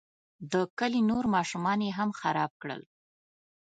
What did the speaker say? د کلي نور ماشومان یې هم خراب کړل.